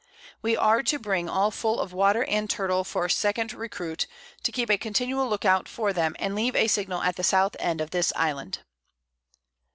We are to bring all full of Water and Turtle for a second Recruit, to keep a continual Look out for them, and leave a Signal at the South End of this Island.